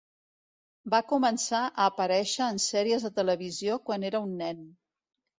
Va començar a aparèixer en sèries de televisió quan era un nen.